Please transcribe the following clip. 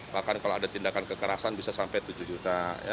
bahkan kalau ada tindakan kekerasan bisa sampai tujuh juta